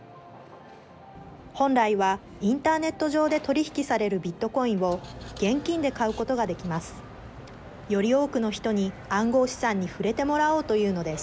本来はインターネット上で取り引きされるビットコインを現金で買うことができます。